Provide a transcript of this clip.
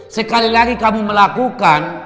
sekali lagi kamu melakukan